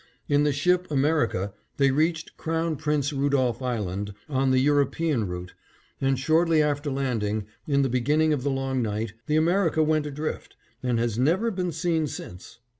In the ship America they reached Crown Prince Rudolph Island on the European route, and shortly after landing, in the beginning of the long night, the America went adrift, and has never been seen since.